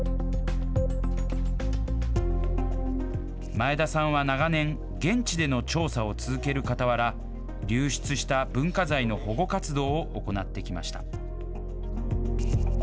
前田さんは長年、現地での調査を続けるかたわら、流出した文化財の保護活動を行ってきました。